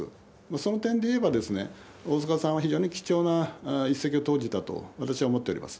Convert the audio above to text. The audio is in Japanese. その点でいえば、大坂さんは非常に貴重な一石を投じたと、私は思っております。